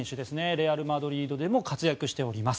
レアル・マドリードでも活躍しております。